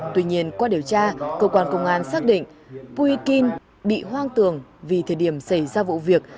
tuy nhiên qua điều tra cơ quan công an xác định quyền kinh bị hoang tưởng vì thời điểm xảy ra vụ việc